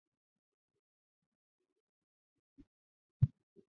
维厄人口变化图示